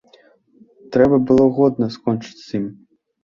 Трэба было годна скончыць з ім.